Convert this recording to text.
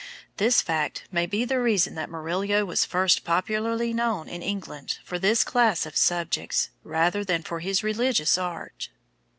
This fact may be the reason that Murillo was first popularly known in England for this class of subjects, rather than for his religious art.